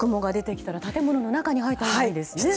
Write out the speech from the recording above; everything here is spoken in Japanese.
黒い雲が出てきたら建物の中に入ったほうがいいですね。